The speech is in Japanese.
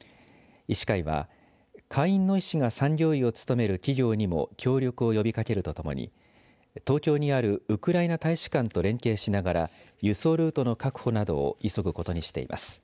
医師会は会員の医師が産業医を務める企業にも協力を呼びかけるとともに東京にあるウクライナ大使館と連携しながら輸送ルートの確保などを急ぐことにしています。